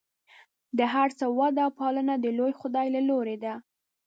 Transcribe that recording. د هر څه وده او پالنه د لوی خدای له لورې ده.